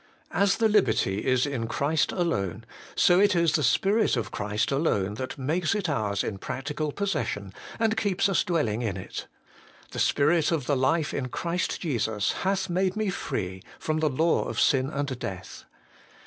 As the liberty is in Christ alone, so it is the Spirit of Christ alone that makes it ours in practical possession, and keeps us dwelling in it :' the spirit of the life in Christ Jesus hath made me free from the law of sin and death.'